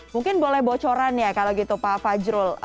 mungkin boleh bocoran ya kalau gitu pak fajrul